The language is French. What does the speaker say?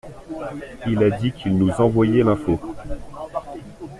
Il a dit qu'il nous envoyait l'info.